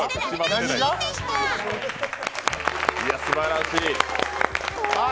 すばらしい！